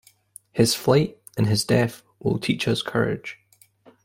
His flight and his death will teach us courage.